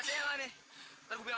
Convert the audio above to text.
serius lo ah